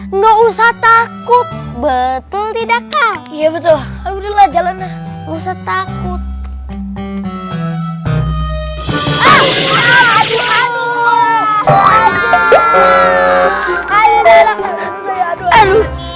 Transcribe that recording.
enggak usah takut betul tidak kak iya betul aduh jalan jalan takut aduh aduh aduh aduh aduh aduh